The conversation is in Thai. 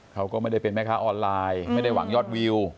เขาก็ไม่ได้เป็นแม่ค้าออนไลน์ไม่ได้หวังยอดวิว